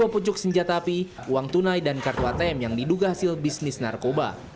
dua pucuk senjata api uang tunai dan kartu atm yang diduga hasil bisnis narkoba